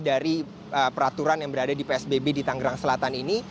dari peraturan yang berada di psbb di tanggerang selatan ini